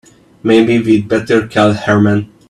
Maybe we'd better call Herman.